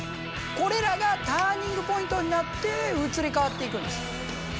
これらがターニングポイントになって移り変わっていくんです！